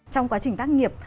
trong quá trình tác nghiệp